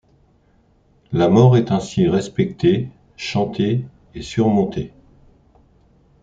La mort est ainsi respectée, chantée et surmontée.